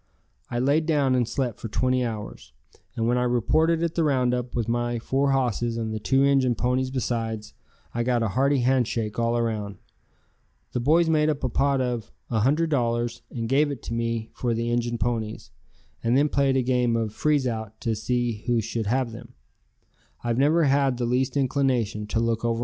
I laid down and slept for twenty hours, and when I reported at the roundup with my four hosses and the two Injun ponies besides, I got a hearty handshake all around. The boys made up a pot of a hundred dollars and gave it to me for the Injun ponies, and then played a game of freeze out to see who should have them.